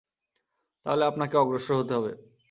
তাহলে আপনাকে অগ্রসর হতে হবে।